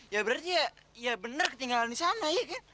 ya berarti ya ya bener ketinggalan disana ya kan